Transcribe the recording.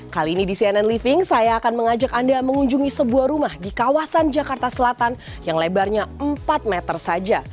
kali ini di cnn living saya akan mengajak anda mengunjungi sebuah rumah di kawasan jakarta selatan yang lebarnya empat meter saja